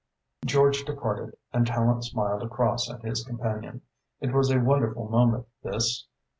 George departed and Tallente smiled across at his companion. It was a wonderful moment, this.